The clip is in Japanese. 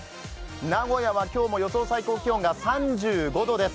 名古屋は今日も予想最高気温が３５度です。